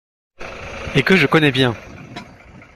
Et que je connais bien!